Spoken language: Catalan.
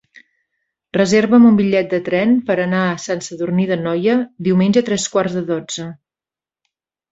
Reserva'm un bitllet de tren per anar a Sant Sadurní d'Anoia diumenge a tres quarts de dotze.